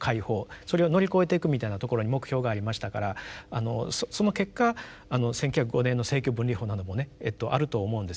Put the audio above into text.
それを乗り越えていくみたいなところに目標がありましたからその結果１９０５年の政教分離法などもねあると思うんですよね。